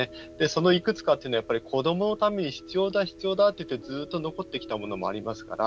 そのいくつかというのは子どものために必要だって言ってずっと残ってきたこともありますから。